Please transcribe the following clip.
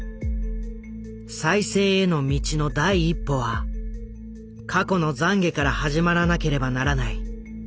「再生への道の第一歩は『過去の懺悔』から始まらなければならない。